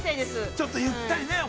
◆ちょっとゆったりね。